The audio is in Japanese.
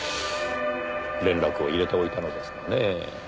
連絡を入れておいたのですがねぇ。